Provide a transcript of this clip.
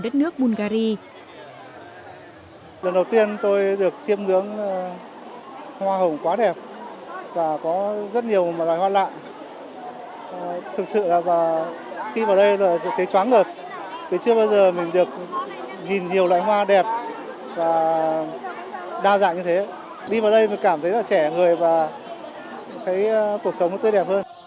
đất nước bulgaria lần đầu tiên tôi được chiêm ngưỡng hoa hồng quá đẹp và có rất nhiều loài hoa lạ